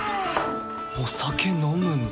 お酒飲むんだ